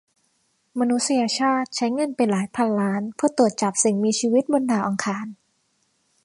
มนุษยชาติใช้เงินไปหลายพันล้านเพื่อตรวจจับสิ่งมีชีวิตบนดาวอังคาร